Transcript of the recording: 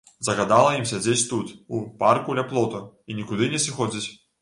Загадала ім сядзець тут, у парку ля плоту, і нікуды не сыходзіць.